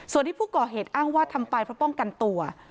ส่วนที่ผู้ก่อเหตุอ้างว่าทำไปเพราะป้องกันตัว